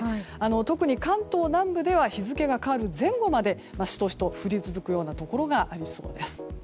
特に関東南部では日付が変わる前後までシトシトと降り続くようなところがありそうです。